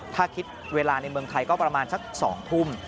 ถ้าคิดเวลาในเมืองไทยก็ประมาณสัก๒ทุ่ม